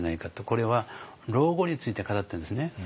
これは老後について語ってるんですね。